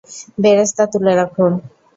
বেরেস্তা তুলে রাখুন।